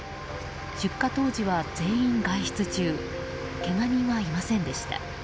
出火当時は全員外出中けが人はいませんでした。